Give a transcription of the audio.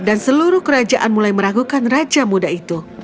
dan seluruh kerajaan mulai meragukan raja muda itu